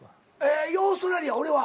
オーストラリア俺は。